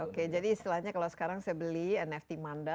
oke jadi istilahnya kalau sekarang saya beli nft manda